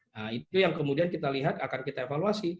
nah itu yang kemudian kita lihat akan kita evaluasi